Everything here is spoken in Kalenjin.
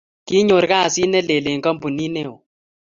kinyor kasit ne lee eng kampunit neo